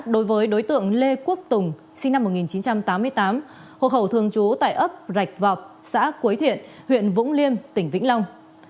đối với đối tượng lê quốc tùng sinh năm một nghìn chín trăm tám mươi tám hộ khẩu thường trú tại ấp rạch vọc xã quế thiện huyện vũng liêm tỉnh vĩnh long